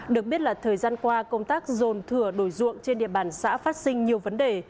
được biết là thời gian qua công tác dồn thừa đổi ruộng trên địa bàn xã phát sinh nhiều vấn đề